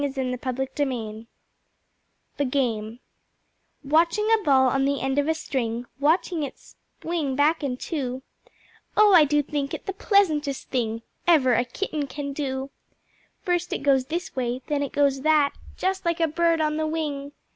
The Game Watching a ball on the end of a string, Watching it swing back and to, Oh, I do think it the pleasantest thing Ever a Kitten can do. First it goes this way, then it goes that, Just like a bird on the wing.